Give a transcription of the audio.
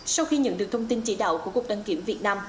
sau khi nhận được thông tin chỉ đạo của cục đăng kiểm việt nam